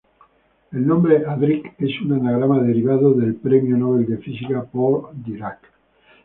El nombre Adric es un anagrama derivado del premio Nobel de física Paul Dirac.